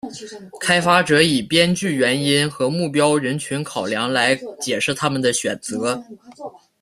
开发者以编剧原因和目标人群考量来解释他们的选择。